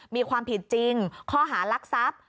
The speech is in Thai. มีความผิดจริงข้อหารักทรัพย์